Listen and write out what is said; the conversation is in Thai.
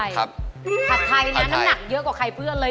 ๑๒๐กรัมนะ